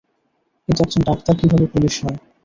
কিন্তু একজন ডাক্তার কীভাবে পুলিশ হয়?